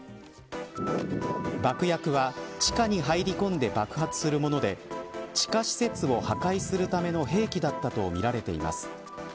爆薬は地下に入り込んで爆発するもので地下施設を破壊するための兵器だったとみられています。